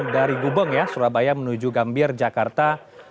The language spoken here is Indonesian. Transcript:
dari gubeng ya surabaya menuju gambir jakarta